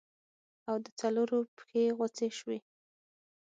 او د څلورو پښې غوڅې سوې.